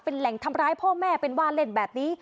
เป็นแหล่งทำร้ายพ่อแม่เป็นว่าเล่นแบบนี้